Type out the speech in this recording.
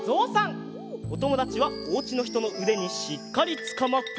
おともだちはおうちのひとのうでにしっかりつかまって。